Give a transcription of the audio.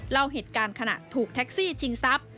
เล่าเหตุการณ์ขนาดถูกแท็กซี่ชิงซับ